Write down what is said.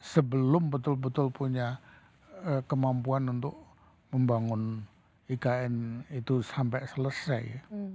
sebelum betul betul punya kemampuan untuk membangun ikn itu sampai selesai ya